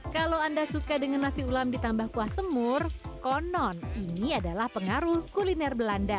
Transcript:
kalau anda suka dengan nasi ulam ditambah kuah semur konon ini adalah pengaruh kuliner belanda